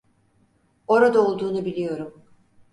Orada olduğunu biliyorum.